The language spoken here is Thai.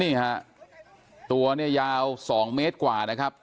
นี่ฮะตัวเนี่ยยาว๒เมตรกว่านะครับ